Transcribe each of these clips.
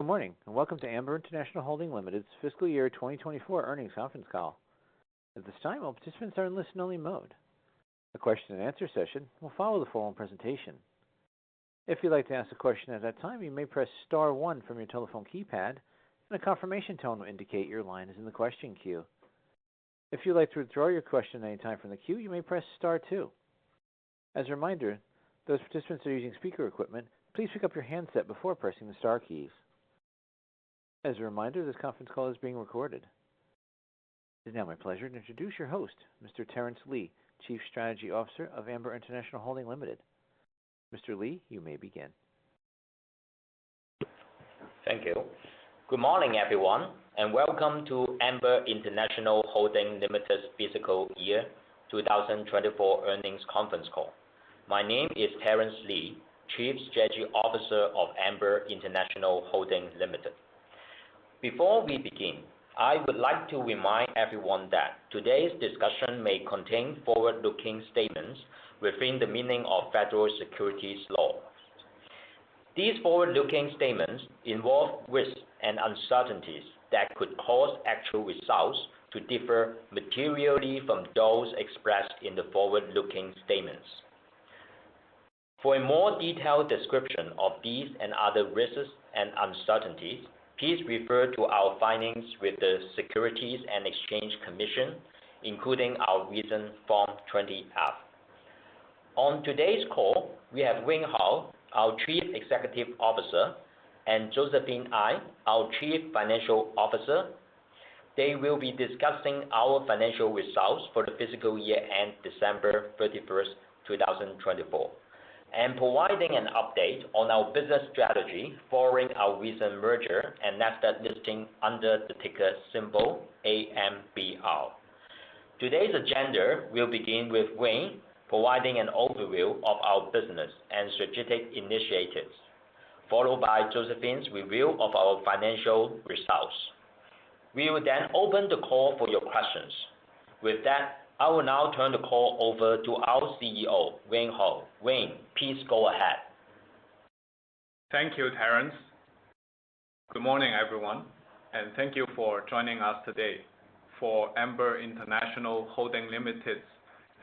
Good morning and welcome to Amber International Holding Limited's fiscal year 2024 earnings conference call. At this time, all participants are in listen-only mode. The question-and-answer session will follow the formal presentation. If you'd like to ask a question at that time, you may press star one from your telephone keypad, and a confirmation tone will indicate your line is in the question queue. If you'd like to withdraw your question at any time from the queue, you may press star two. As a reminder, those participants who are using speaker equipment, please pick up your handset before pressing the star keys. As a reminder, this conference call is being recorded. It is now my pleasure to introduce your host, Mr. Terence Li, Chief Strategy Officer of Amber International Holding Limited. Mr. Li, you may begin. Thank you. Good morning, everyone, and welcome to Amber International Holding Limited's fiscal year 2024 earnings conference call. My name is Terence Li, Chief Strategy Officer of Amber International Holding Limited. Before we begin, I would like to remind everyone that today's discussion may contain forward-looking statements within the meaning of federal securities laws. These forward-looking statements involve risks and uncertainties that could cause actual results to differ materially from those expressed in the forward-looking statements. For a more detailed description of these and other risks and uncertainties, please refer to our filings with the Securities and Exchange Commission, including our recent Form 20-F. On today's call, we have Wayne Huo, our Chief Executive Officer, and Josephine Ngai, our Chief Financial Officer. They will be discussing our financial results for the fiscal year end December 31st, 2024, and providing an update on our business strategy following our recent merger and Nasdaq listing under the ticker symbol AMBR. Today's agenda will begin with Wayne providing an overview of our business and strategic initiatives, followed by Josephine's review of our financial results. We will then open the call for your questions. With that, I will now turn the call over to our CEO, Wayne Huo. Wayne, please go ahead. Thank you, Terence. Good morning, everyone, and thank you for joining us today for Amber International Holding Limited's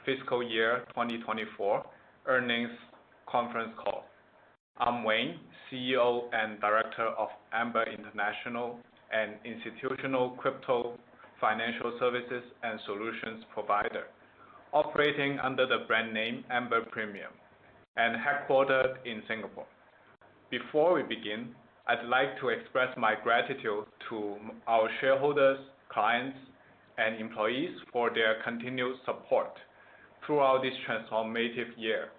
fiscal year 2024 earnings conference call. I'm Wayne, CEO and Director of Amber International, an institutional crypto financial services and solutions provider operating under the brand name Amber Premium and headquartered in Singapore. Before we begin, I'd like to express my gratitude to our shareholders, clients, and employees for their continued support throughout this transformative year.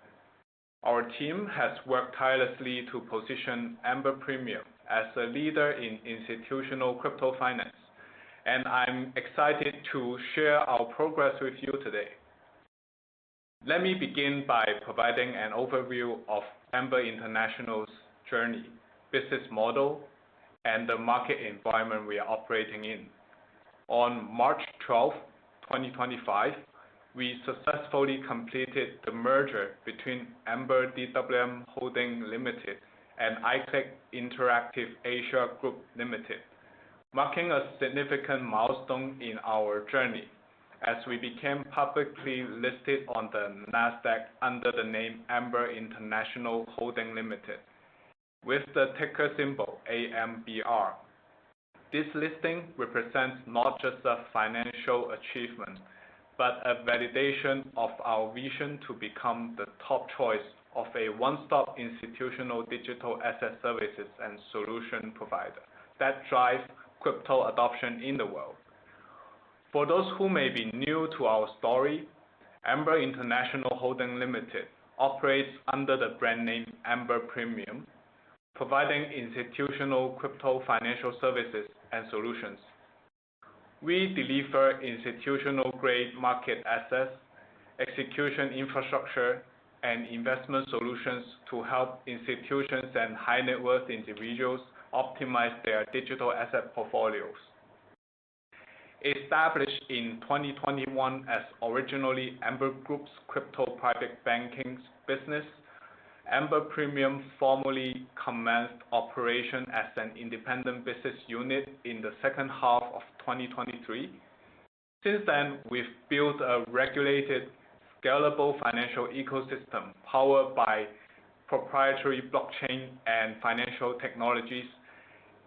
Our team has worked tirelessly to position Amber Premium as a leader in institutional crypto finance, and I'm excited to share our progress with you today. Let me begin by providing an overview of Amber International's journey, business model, and the market environment we are operating in. On March 12th, 2025, we successfully completed the merger between Amber DWM Holding Limited and iClick Interactive Asia Group Limited, marking a significant milestone in our journey as we became publicly listed on the Nasdaq under the name Amber International Holding Limited with the ticker symbol AMBR. This listing represents not just a financial achievement but a validation of our vision to become the top choice of a one-stop institutional digital asset services and solution provider that drives crypto adoption in the world. For those who may be new to our story, Amber International Holding Limited operates under the brand name Amber Premium, providing institutional crypto financial services and solutions. We deliver institutional-grade market access, execution infrastructure, and investment solutions to help institutions and high-net-worth individuals optimize their digital asset portfolios. Established in 2021 as originally Amber Group's crypto private banking business, Amber Premium formally commenced operation as an independent business unit in the second half of 2023. Since then, we've built a regulated, scalable financial ecosystem powered by proprietary blockchain and financial technologies,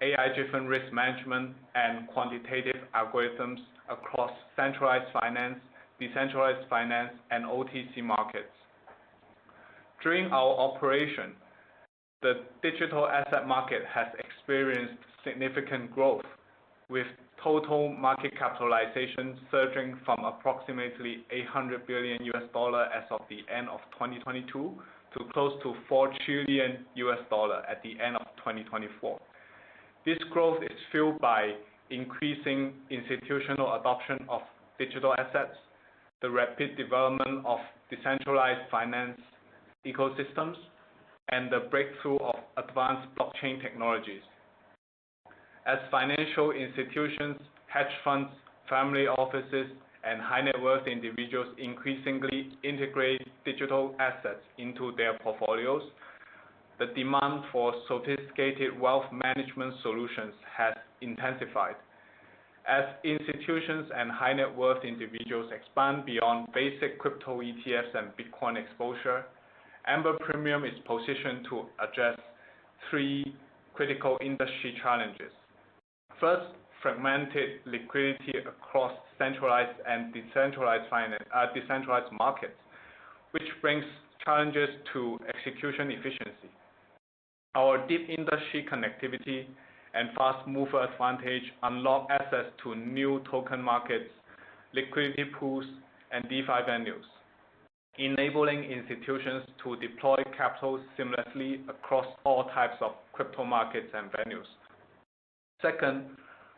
AI-driven risk management, and quantitative algorithms across centralized finance, decentralized finance, and OTC markets. During our operation, the digital asset market has experienced significant growth, with total market capitalization surging from approximately $800 billion USD as of the end of 2022 to close to $4 trillion USD at the end of 2024. This growth is fueled by increasing institutional adoption of digital assets, the rapid development of decentralized finance ecosystems, and the breakthrough of advanced blockchain technologies. As financial institutions, hedge funds, family offices, and high-net-worth individuals increasingly integrate digital assets into their portfolios, the demand for sophisticated wealth management solutions has intensified. As institutions and high-net-worth individuals expand beyond basic crypto ETFs and Bitcoin exposure, Amber Premium is positioned to address three critical industry challenges. First, fragmented liquidity across centralized and decentralized markets, which brings challenges to execution efficiency. Our deep industry connectivity and fast mover advantage unlock access to new token markets, liquidity pools, and DeFi venues, enabling institutions to deploy capital seamlessly across all types of crypto markets and venues. Second,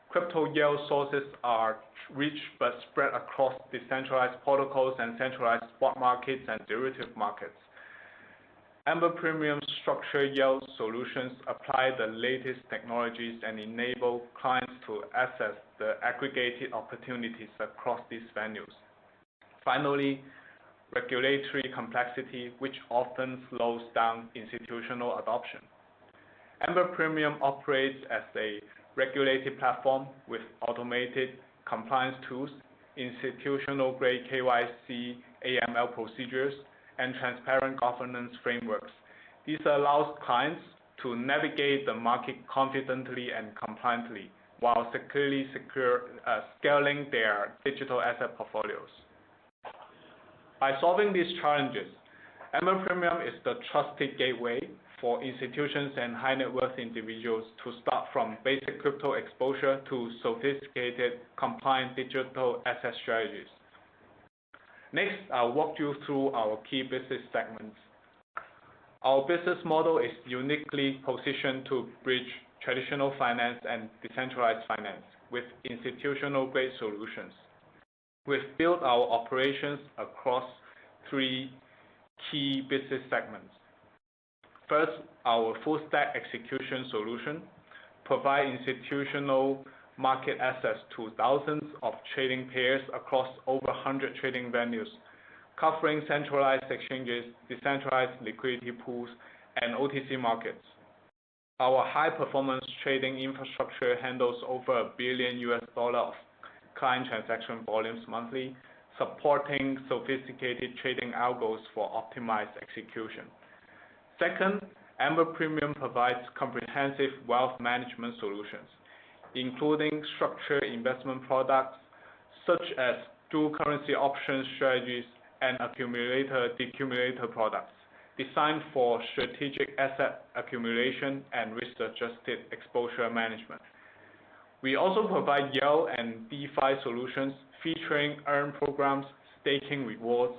crypto yield sources are rich but spread across decentralized protocols and centralized spot markets and derivative markets. Amber Premium's structured yield solutions apply the latest technologies and enable clients to access the aggregated opportunities across these venues. Finally, regulatory complexity, which often slows down institutional adoption. Amber Premium operates as a regulated platform with automated compliance tools, institutional-grade KYC, AML procedures, and transparent governance frameworks. This allows clients to navigate the market confidently and compliantly while securely scaling their digital asset portfolios. By solving these challenges, Amber Premium is the trusted gateway for institutions and high-net-worth individuals to start from basic crypto exposure to sophisticated compliant digital asset strategies. Next, I'll walk you through our key business segments. Our business model is uniquely positioned to bridge traditional finance and decentralized finance with institutional-grade solutions. We've built our operations across three key business segments. First, our full-stack execution solution provides institutional market assets to thousands of trading pairs across over 100 trading venues, covering centralized exchanges, decentralized liquidity pools, and OTC markets. Our high-performance trading infrastructure handles over $1 billion of client transaction volumes monthly, supporting sophisticated trading algos for optimized execution. Second, Amber Premium provides comprehensive wealth management solutions, including structured investment products such as Dual-Currency Options strategies and Accumulator-Decumulator products designed for strategic asset accumulation and risk-adjusted exposure management. We also provide yield and DeFi solutions featuring earn programs, staking rewards,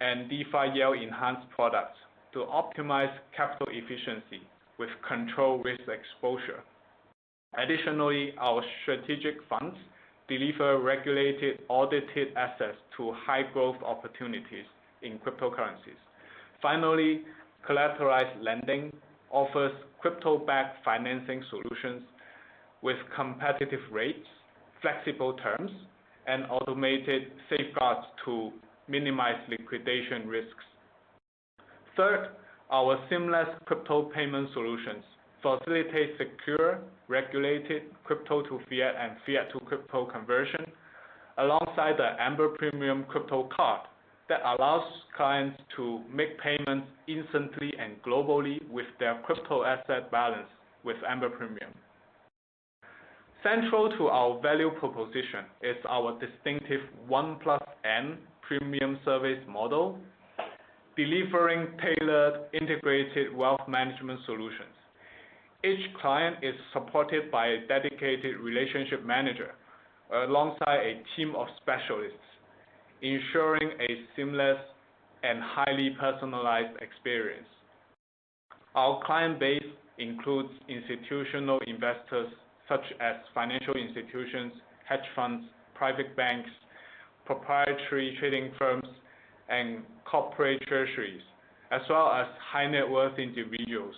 and DeFi yield enhanced products to optimize capital efficiency with controlled risk exposure. Additionally, our strategic funds deliver regulated audited assets to high-growth opportunities in cryptocurrencies. Finally, collateralized lending offers crypto-backed financing solutions with competitive rates, flexible terms, and automated safeguards to minimize liquidation risks. Third, our seamless crypto payment solutions facilitate secure, regulated crypto-to-Fiat and Fiat-to-Crypto conversion, alongside the Amber Premium Crypto Card that allows clients to make payments instantly and globally with their crypto asset balance with Amber Premium. Central to our value proposition is our distinctive 1+N Premium service model, delivering tailored integrated wealth management solutions. Each client is supported by a dedicated relationship manager alongside a team of specialists, ensuring a seamless and highly personalized experience. Our client base includes institutional investors such as financial institutions, hedge funds, private banks, proprietary trading firms, and corporate treasuries, as well as high-net-worth individuals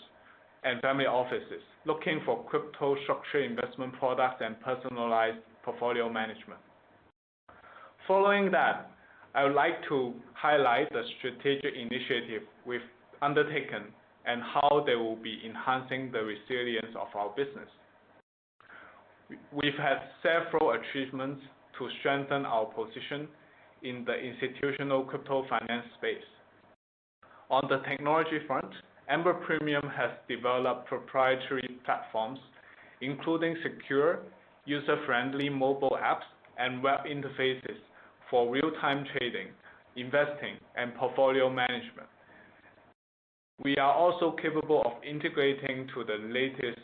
and family offices looking for crypto structured investment products and personalized portfolio management. Following that, I would like to highlight the strategic initiatives we've undertaken and how they will be enhancing the resilience of our business. We've had several achievements to strengthen our position in the institutional crypto finance space. On the technology front, Amber Premium has developed proprietary platforms, including secure, user-friendly mobile apps and web interfaces for real-time trading, investing, and portfolio management. We are also capable of integrating to the latest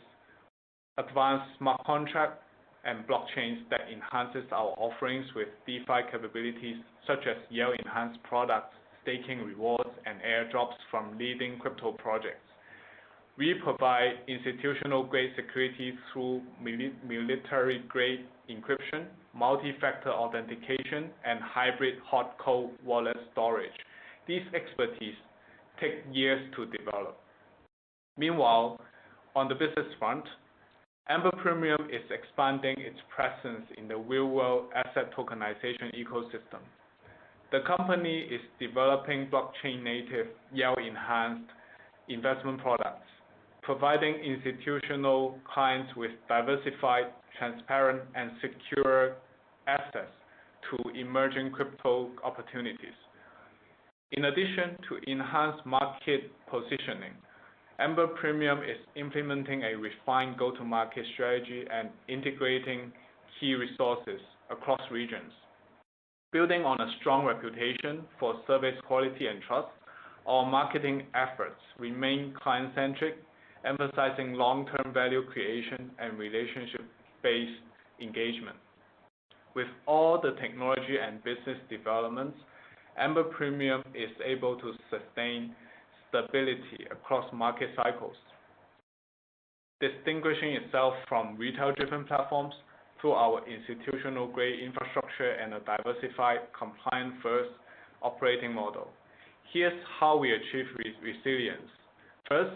advanced smart contract and blockchains that enhances our offerings with DeFi capabilities such as yield-enhanced products, staking rewards, and airdrops from leading crypto projects. We provide institutional-grade security through military-grade encryption, multi-factor authentication, and hybrid hot/cold wallet storage. This expertise takes years to develop. Meanwhile, on the business front, Amber Premium is expanding its presence in the real-world asset tokenization ecosystem. The company is developing blockchain-native yield-enhanced investment products, providing institutional clients with diversified, transparent, and secure assets to emerging crypto opportunities. In addition to enhanced market positioning, Amber Premium is implementing a refined go-to-market strategy and integrating key resources across regions. Building on a strong reputation for service quality and trust, our marketing efforts remain client-centric, emphasizing long-term value creation and relationship-based engagement. With all the technology and business developments, Amber Premium is able to sustain stability across market cycles, distinguishing itself from retail-driven platforms through our institutional-grade infrastructure and a diversified compliant-first operating model. Here's how we achieve resilience. First,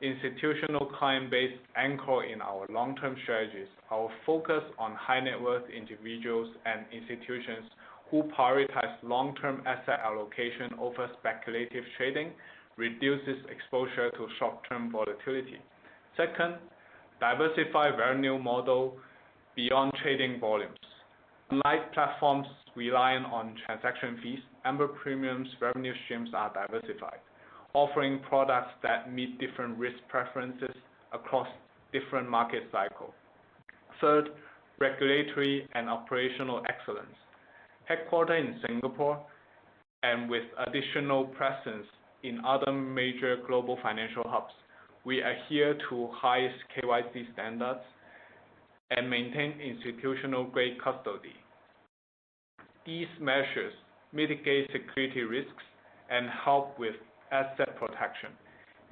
institutional client base anchored in our long-term strategies. Our focus on high-net-worth individuals and institutions who prioritize long-term asset allocation over speculative trading reduces exposure to short-term volatility. Second, diversified revenue model beyond trading volumes. Unlike platforms relying on transaction fees, Amber Premium's revenue streams are diversified, offering products that meet different risk preferences across different market cycles. Third, regulatory and operational excellence. Headquartered in Singapore and with additional presence in other major global financial hubs, we adhere to highest KYC standards and maintain institutional-grade custody. These measures mitigate security risks and help with asset protection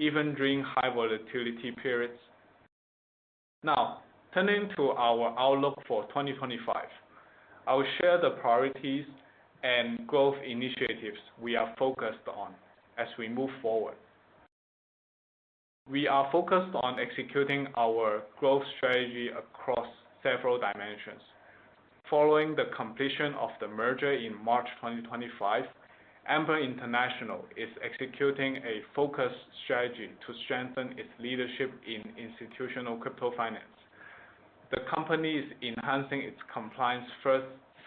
even during high volatility periods. Now, turning to our outlook for 2025, I will share the priorities and growth initiatives we are focused on as we move forward. We are focused on executing our growth strategy across several dimensions. Following the completion of the merger in March 2025, Amber International is executing a focused strategy to strengthen its leadership in institutional crypto finance. The company is enhancing its compliance-first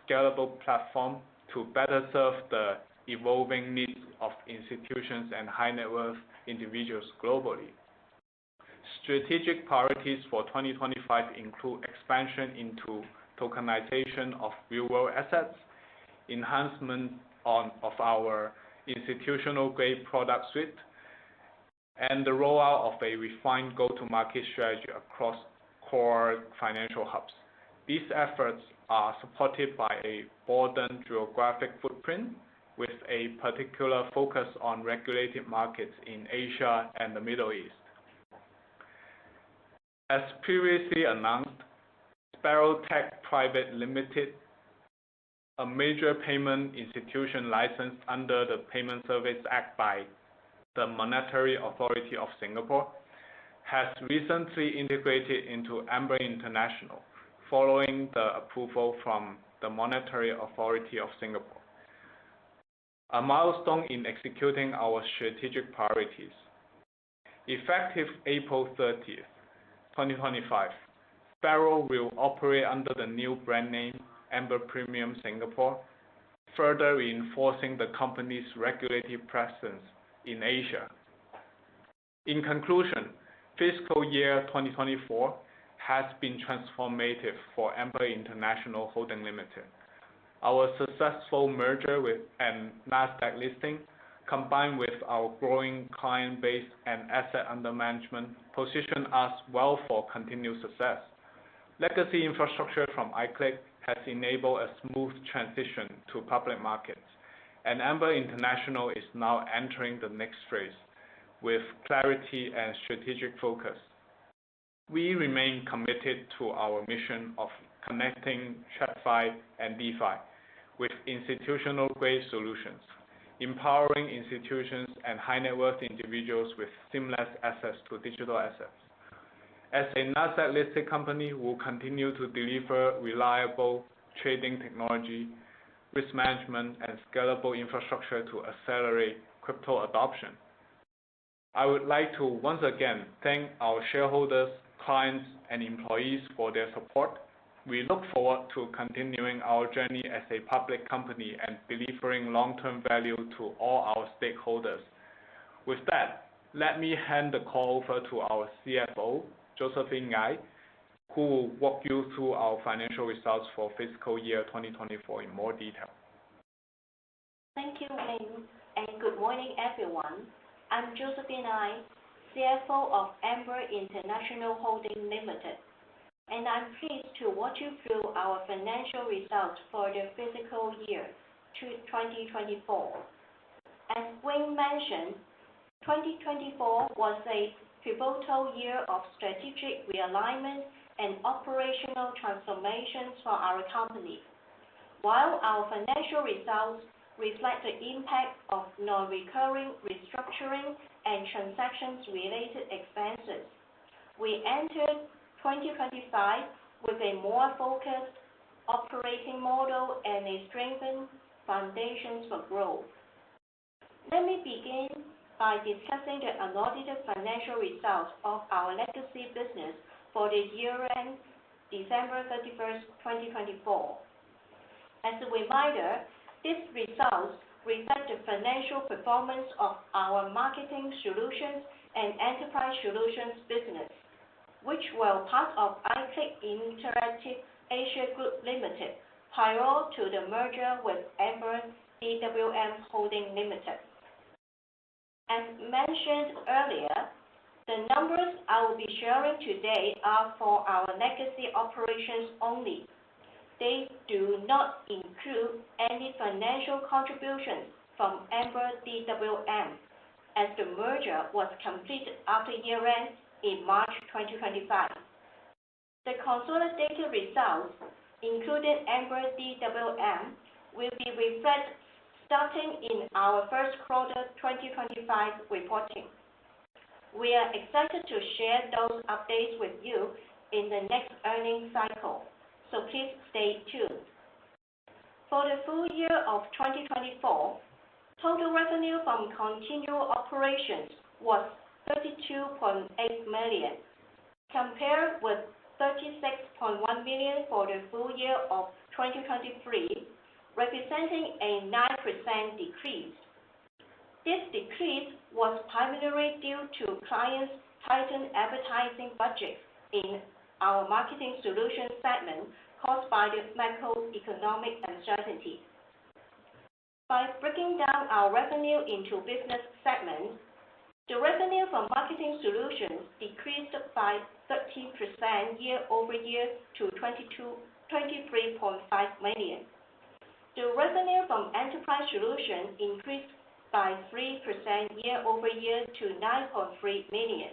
scalable platform to better serve the evolving needs of institutions and high-net-worth individuals globally. Strategic priorities for 2025 include expansion into tokenization of real-world assets, enhancement of our institutional-grade product suite, and the rollout of a refined go-to-market strategy across core financial hubs. These efforts are supported by a broadened geographic footprint, with a particular focus on regulated markets in Asia and the Middle East. As previously announced, Sparrow Tech Private Limited, a major payment institution licensed under the Payment Services Act by the Monetary Authority of Singapore, has recently integrated into Amber International following the approval from the Monetary Authority of Singapore, a milestone in executing our strategic priorities. Effective April 30, 2025, Sparrow will operate under the new brand name Amber Premium Singapore, further reinforcing the company's regulated presence in Asia. In conclusion, fiscal year 2024 has been transformative for Amber International Holding Limited. Our successful merger with a Nasdaq listing, combined with our growing client base and asset under management, positions us well for continued success. Legacy infrastructure from iClick has enabled a smooth transition to public markets, and Amber International is now entering the next phase with clarity and strategic focus. We remain committed to our mission of connecting CeFi and DeFi with institutional-grade solutions, empowering institutions and high-net-worth individuals with seamless access to digital assets. As a Nasdaq-listed company, we will continue to deliver reliable trading technology, risk management, and scalable infrastructure to accelerate crypto adoption. I would like to once again thank our shareholders, clients, and employees for their support. We look forward to continuing our journey as a public company and delivering long-term value to all our stakeholders. With that, let me hand the call over to our CFO, Josephine Ngai, who will walk you through our financial results for fiscal year 2024 in more detail. Thank you, Wayne, and good morning, everyone. I'm Josephine Ngai, CFO of Amber International Holding Limited, and I'm pleased to walk you through our financial results for the fiscal year 2024. As Wayne mentioned, 2024 was a pivotal year of strategic realignment and operational transformations for our company. While our financial results reflect the impact of non-recurring restructuring and transactions-related expenses, we entered 2025 with a more focused operating model and a strengthened foundation for growth. Let me begin by discussing the announced financial results of our legacy business for the year-end, December 31, 2024. As a reminder, these results reflect the financial performance of our marketing solutions and enterprise solutions business, which were part of iClick Interactive Asia Group Limited prior to the merger with Amber DWM Holding Limited. As mentioned earlier, the numbers I will be sharing today are for our legacy operations only. They do not include any financial contributions from Amber DWM, as the merger was completed after year-end in March 2025. The consolidated results, including Amber DWM, will be reflected starting in our first quarter 2025 reporting. We are excited to share those updates with you in the next earnings cycle, so please stay tuned. For the full year of 2024, total revenue from continuing operations was $32.8 million, compared with $36.1 million for the full year of 2023, representing a 9% decrease. This decrease was primarily due to clients' tightened advertising budgets in our marketing solution segment caused by the macroeconomic uncertainty. By breaking down our revenue into business segments, the revenue from marketing solutions decreased by 30% year-over-year to $23.5 million. The revenue from enterprise solutions increased by 3% year-over-year to $9.3 million,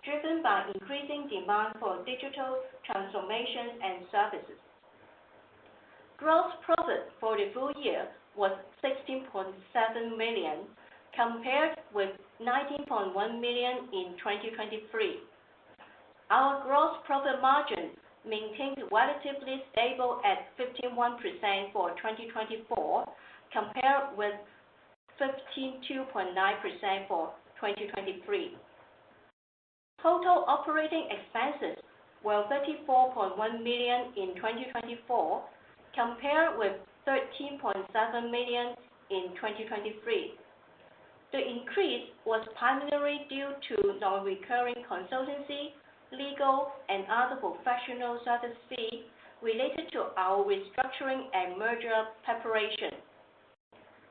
driven by increasing demand for digital transformation and services. Gross profit for the full year was $16.7 million, compared with $19.1 million in 2023. Our gross profit margin maintained relatively stable at 51% for 2024, compared with 52.9% for 2023. Total operating expenses were $34.1 million in 2024, compared with $13.7 million in 2023. The increase was primarily due to non-recurring consultancy, legal, and other professional service fees related to our restructuring and merger preparation.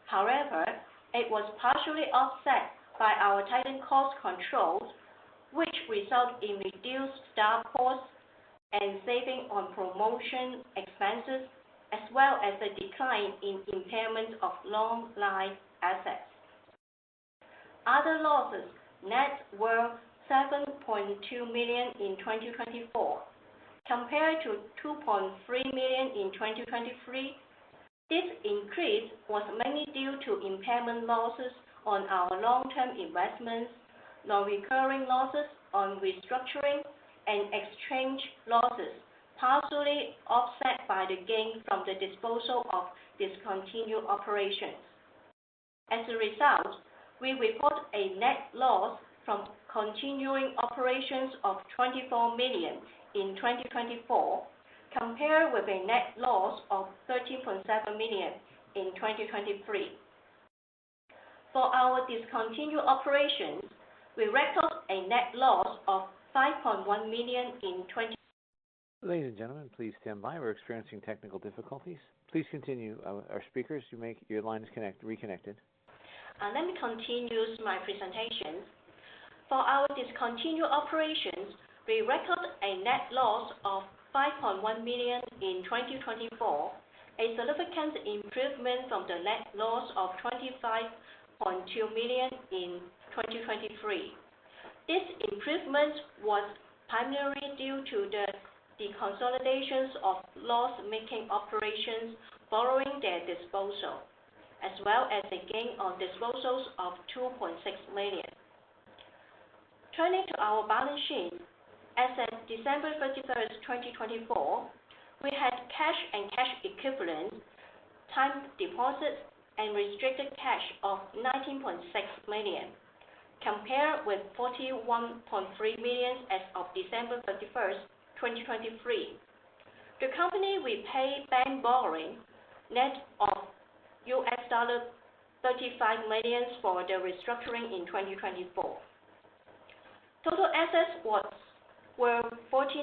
However, it was partially offset by our tightened cost controls, which resulted in reduced staff costs and savings on promotion expenses, as well as a decline in impairment of long-life assets. Other losses net were $7.2 million in 2024, compared to $2.3 million in 2023. This increase was mainly due to impairment losses on our long-term investments, non-recurring losses on restructuring, and exchange losses, partially offset by the gain from the disposal of discontinued operations. As a result, we report a net loss from continuing operations of $24 million in 2024, compared with a net loss of $13.7 million in 2023. For our discontinued operations, we record a net loss of $5.1 million in 2024, a significant improvement from the net loss of $25.2 million in 2023. This improvement was primarily due to the consolidation of loss-making operations following their disposal, as well as the gain on disposals of $2.6 million. Turning to our balance sheet, as of December 31, 2024, we had cash and cash equivalent time deposits and restricted cash of $19.6 million, compared with $41.3 million as of December 31, 2023. The company we paid bank borrowing net of $35 million for the restructuring in 2024. Total assets were $49.6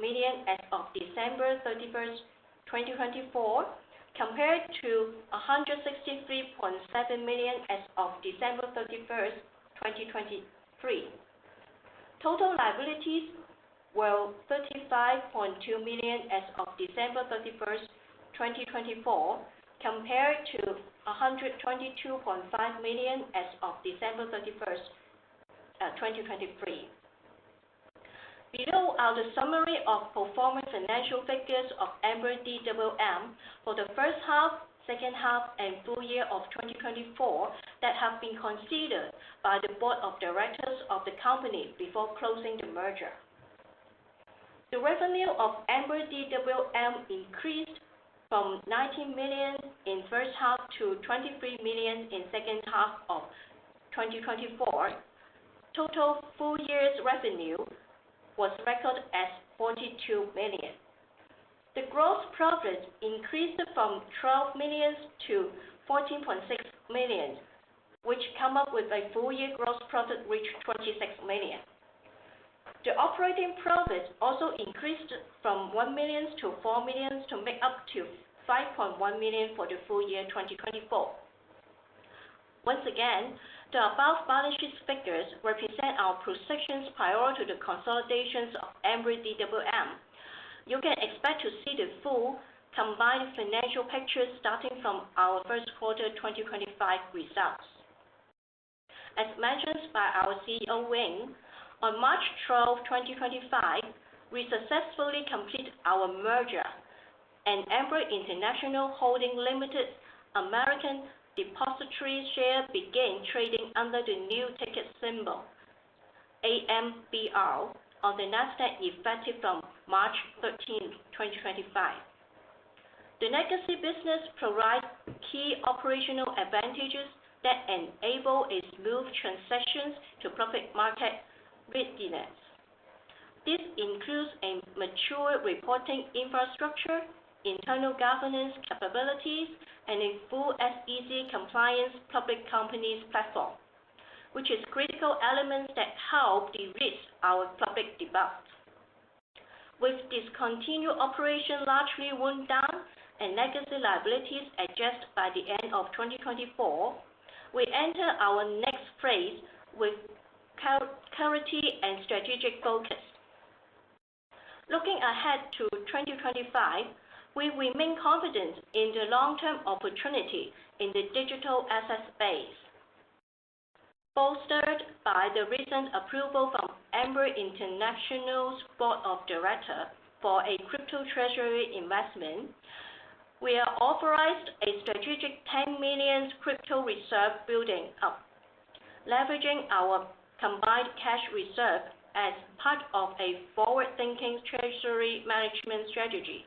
million as of December 31, 2024, compared to $163.7 million as of December 31, 2023. Total liabilities were $35.2 million as of December 31, 2024, compared to $122.5 million as of December 31, 2023. Below are the summary of performance financial figures of Amber DWM for the first half, second half, and full year of 2024 that have been considered by the board of directors of the company before closing the merger. The revenue of Amber DWM increased from $19 million in first half to $23 million in second half of 2024. Total full year's revenue was recorded as $42 million. The gross profit increased from $12 million-$14.6 million, which comes up with a full year gross profit reached $26 million. The operating profit also increased from $1 million-$4 million to make up to $5.1 million for the full year 2024. Once again, the above balance sheet figures represent our projections prior to the consolidation of Amber DWM. You can expect to see the full combined financial picture starting from our first quarter 2025 results. As mentioned by our CEO, Wayne, on March 12, 2025, we successfully completed our merger, and Amber International Holding Limited-American Depositary Shares began trading under the new ticker symbol, AMBR, on the Nasdaq effective from March 13, 2025. The legacy business provides key operational advantages that enable a smooth transition to public market readiness. This includes a mature reporting infrastructure, internal governance capabilities, and a full SEC compliance public company's platform, which is critical elements that help de-risk our public debut. With discontinued operations largely wound down and legacy liabilities adjusted by the end of 2024, we enter our next phase with clarity and strategic focus. Looking ahead to 2025, we remain confident in the long-term opportunity in the digital asset space, bolstered by the recent approval from Amber International's Board of Directors for a crypto treasury investment. We have authorized a strategic $10 million crypto reserve building up, leveraging our combined cash reserve as part of a forward-thinking treasury management strategy.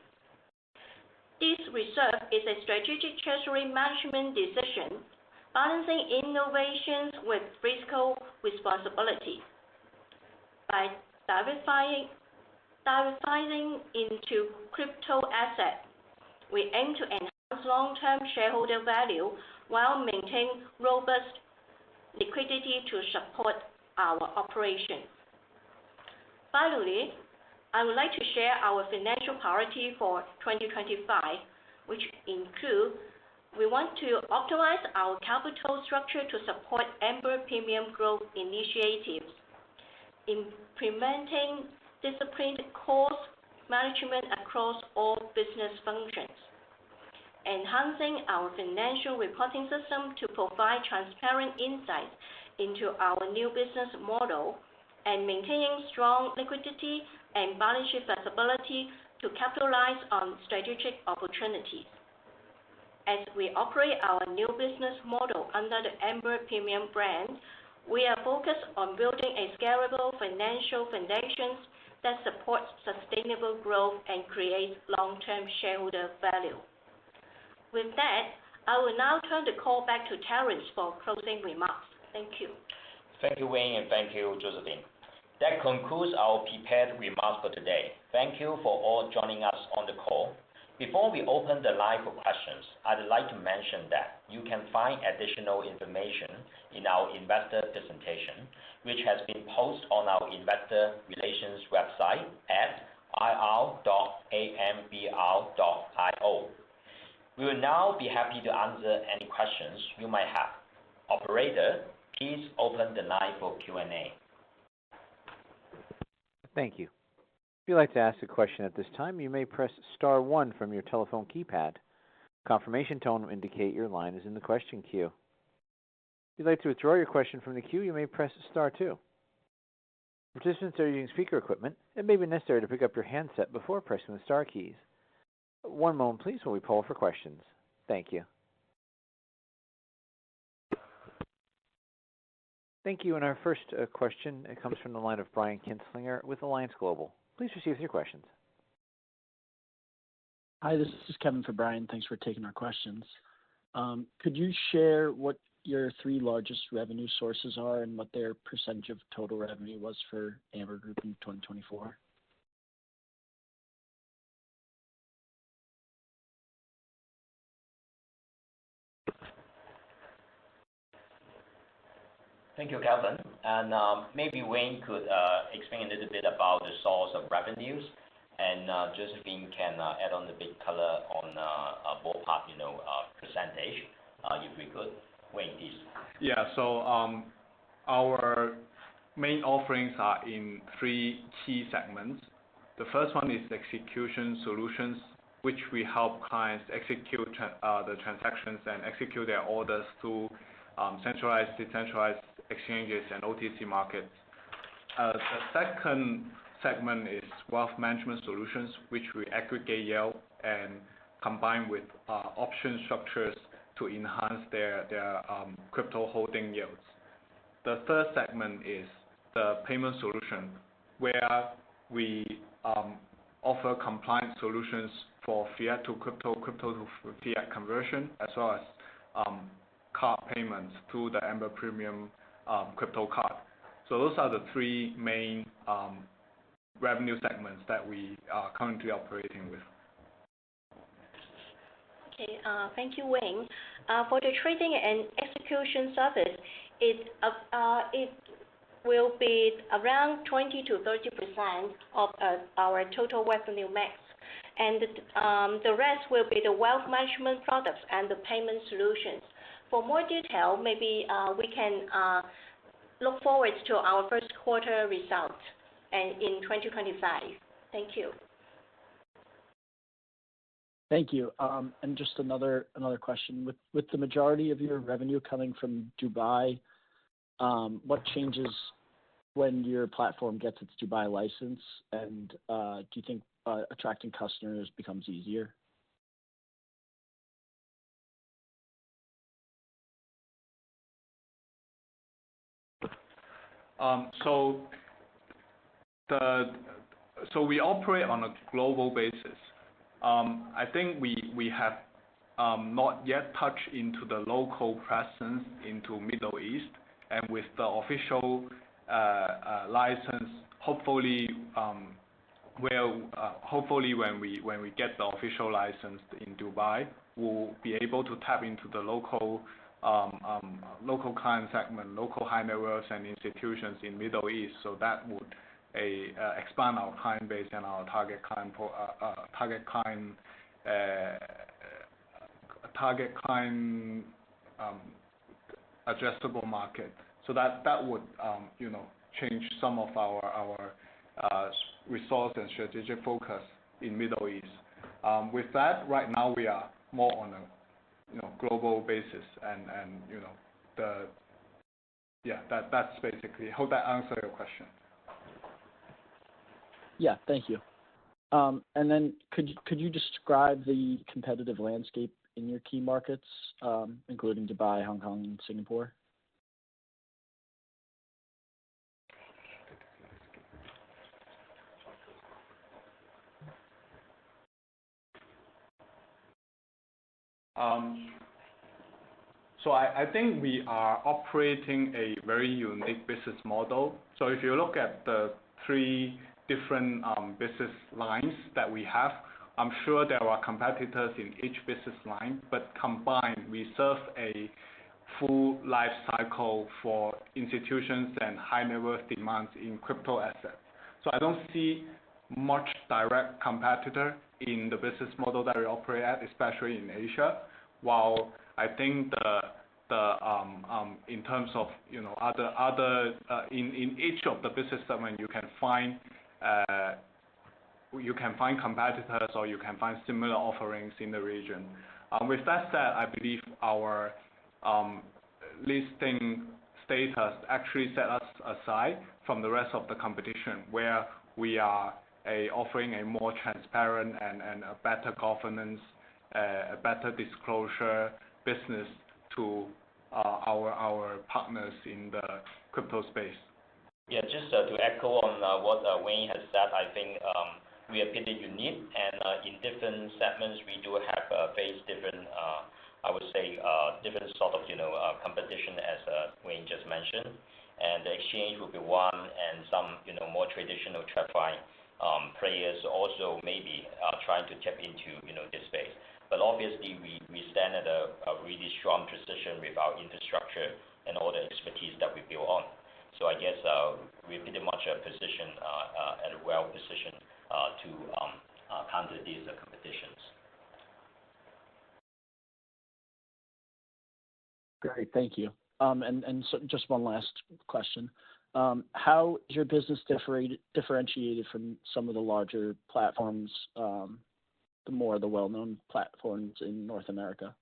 This reserve is a strategic treasury management decision, balancing innovations with fiscal responsibility. By diversifying into crypto assets, we aim to enhance long-term shareholder value while maintaining robust liquidity to support our operation. Finally, I would like to share our financial priorities for 2025, which include: we want to optimize our capital structure to support Amber Premium growth initiatives, implementing disciplined cost management across all business functions, enhancing our financial reporting system to provide transparent insights into our new business model, and maintaining strong liquidity and balance sheet flexibility to capitalize on strategic opportunities. As we operate our new business model under the Amber Premium brand, we are focused on building a scalable financial foundation that supports sustainable growth and creates long-term shareholder value. With that, I will now turn the call back to Terence for closing remarks. Thank you. Thank you, Wayne, and thank you, Josephine. That concludes our prepared remarks for today. Thank you for all joining us on the call. Before we open the line for questions, I'd like to mention that you can find additional information in our investor presentation, which has been posted on our investor relations website at ir.ambr.io. We will now be happy to answer any questions you might have. Operator, please open the line for Q&A. Thank you. If you'd like to ask a question at this time, you may press star one from your telephone keypad. Confirmation tone will indicate your line is in the question queue. If you'd like to withdraw your question from the queue, you may press star two. Participants are using speaker equipment. It may be necessary to pick up your handset before pressing the star keys. One moment, please, while we poll for questions. Thank you. Thank you. And our first question comes from the line of Brian Kinstlinger with Alliance Global Partners. Please proceed with your questions. Hi, this is Kevin for Brian. Thanks for taking our questions. Could you share what your three largest revenue sources are and what their percentage of total revenue was for Amber Group in 2024? Thank you, Kevin. And maybe Wayne could explain a little bit about the source of revenues, and Josephine can add on a bit of color on a ballpark percentage if we could. Wayne please. Yeah. So our main offerings are in three key segments. The first one is execution solutions, which we help clients execute the transactions and execute their orders through centralized, decentralized exchanges, and OTC markets. The second segment is wealth management solutions, which we aggregate yield and combine with option structures to enhance their crypto holding yields. The third segment is the payment solution, where we offer compliance solutions for fiat to crypto, crypto to fiat conversion, as well as card payments through the Amber Premium Crypto Card, so those are the three main revenue segments that we are currently operating with. Okay. Thank you, Wayne. For the trading and execution service, it will be around 20%-30% of our total revenue mix, and the rest will be the wealth management products and the payment solutions. For more detail, maybe we can look forward to our first quarter results in 2025. Thank you. Thank you, and just another question. With the majority of your revenue coming from Dubai, what changes when your platform gets its Dubai license, and do you think attracting customers becomes easier? So we operate on a global basis. I think we have not yet touched into the local presence in the Middle East, and with the official license, hopefully, when we get the official license in Dubai, we'll be able to tap into the local client segment, local high net worth, and institutions in the Middle East. So that would expand our client base and our target client addressable market. So that would change some of our resource and strategic focus in the Middle East. With that, right now, we are more on a global basis, and yeah, that's basically. Hope that answers your question. Yeah. Thank you. And then could you describe the competitive landscape in your key markets, including Dubai, Hong Kong, and Singapore? So I think we are operating a very unique business model. So if you look at the three different business lines that we have, I'm sure there are competitors in each business line, but combined, we serve a full life cycle for institutions and high net worth demands in crypto assets. So I don't see much direct competitor in the business model that we operate at, especially in Asia. While I think in terms of other, in each of the business segments, you can find competitors or you can find similar offerings in the region. With that said, I believe our listing status actually sets us aside from the rest of the competition, where we are offering a more transparent and a better governance, a better disclosure business to our partners in the crypto space. Yeah, just to echo on what Wayne has said, I think we are pretty unique, and in different segments, we do face different, I would say, different sort of competition, as Wayne just mentioned. And the exchange will be one and some more traditional TradFi players also may be trying to tap into this space. But obviously, we stand at a really strong position with our infrastructure and all the expertise that we build on. So I guess we're pretty much in a well-positioned position to counter these competitions. Great. Thank you. And just one last question. How is your business differentiated from some of the larger platforms, the more of the well-known platforms in North America?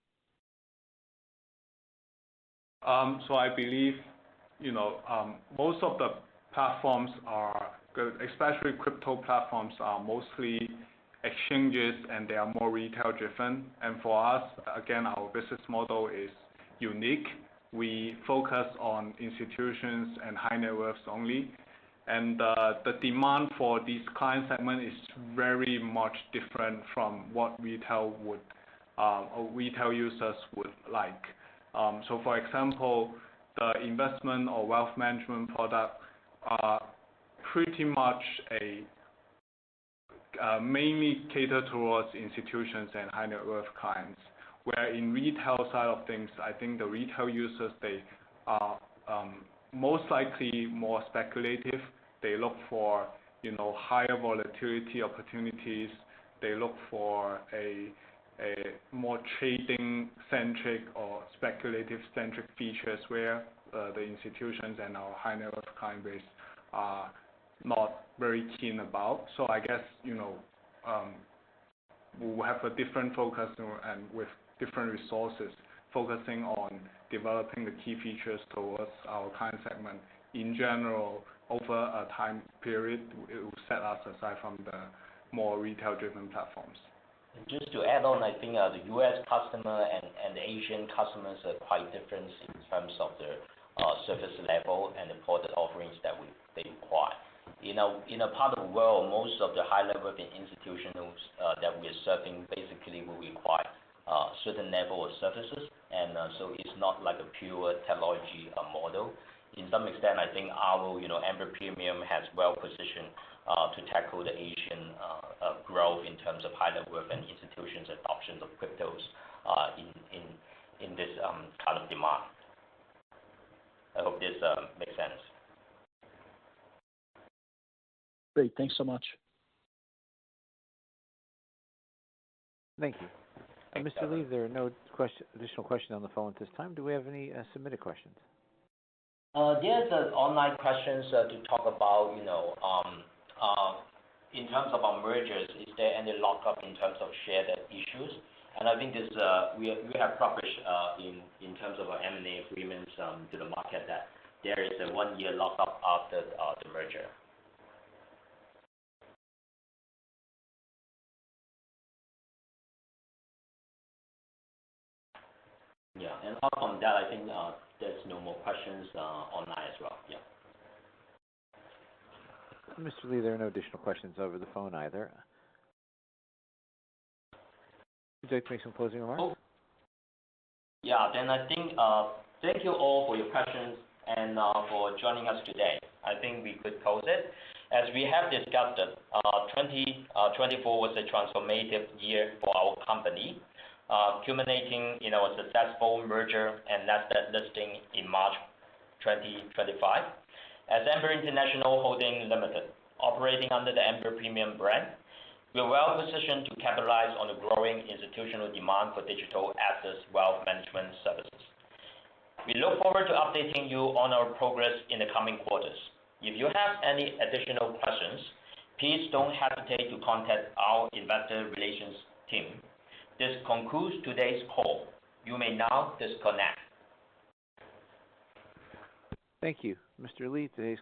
So I believe most of the platforms are good, especially crypto platforms are mostly exchanges, and they are more retail-driven. And for us, again, our business model is unique. We focus on institutions and high net worth only, and the demand for these client segments is very much different from what retail users would like, so for example, the investment or wealth management product pretty much mainly caters towards institutions and high net worth clients, where in the retail side of things, I think the retail users, they are most likely more speculative. They look for higher volatility opportunities. They look for a more trading-centric or speculative-centric feature where the institutions and our high-net-worth client base are not very keen about, so I guess we will have a different focus and with different resources focusing on developing the key features towards our client segment. In general, over a time period, it will set us aside from the more retail-driven platforms. And just to add on, I think the U.S. customer and the Asian customers are quite different in terms of their service level and the product offerings that they require. In a part of the world, most of the high-net-worth institutions that we are serving basically will require a certain level of services, and so it's not like a pure technology model. In some extent, I think our Amber Premium has well-positioned to tackle the Asian growth in terms of high net worth and institutions' adoption of cryptos in this kind of demand. I hope this makes sense. Great. Thanks so much. Thank you. Mr. Li, there are no additional questions on the phone at this time. Do we have any submitted questions? Yes. Online questions to talk about in terms of our mergers, is there any lockup in terms of share issues? I think we have published in terms of our M&A agreements to the market that there is a one-year lockup after the merger. Yeah. And apart from that, I think there's no more questions online as well. Yeah. Mr. Li, there are no additional questions over the phone either. Would you like to make some closing remarks? Yeah. Then I think thank you all for your questions and for joining us today. I think we could close it. As we have discussed, 2024 was a transformative year for our company, culminating in our successful merger and listing in March 2025. As Amber International Holding Limited, operating under the Amber Premium brand, we're well-positioned to capitalize on the growing institutional demand for digital assets, wealth management services. We look forward to updating you on our progress in the coming quarters. If you have any additional questions, please don't hesitate to contact our investor relations team. This concludes today's call. You may now disconnect. Thank you. Mr. Li, this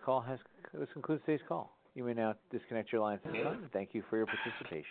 concludes today's call. You may now disconnect your lines at this time. Thank you for your participation.